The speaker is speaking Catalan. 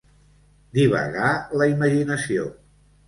Divagar la imaginació.